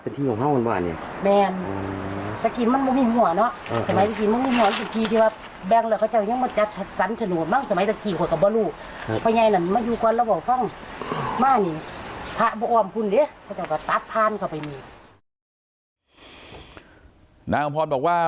นางอำพรบอกว่า